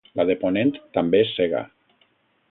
La de ponent també és cega.